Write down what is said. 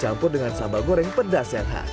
sahabat termasuk dengan sabagoreng pedas yang khas